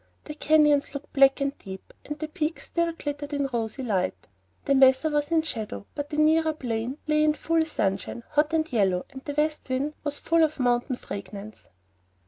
The canyons looked black and deep, but the peaks still glittered in rosy light. The mesa was in shadow, but the nearer plain lay in full sunshine, hot and yellow, and the west wind was full of mountain fragrance.